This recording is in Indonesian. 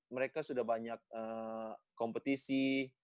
mereka sudah banyak kompetisi